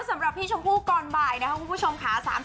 สำหรับพี่ชมพู่ก่อนบ่ายนะครับคุณผู้ชมค่ะ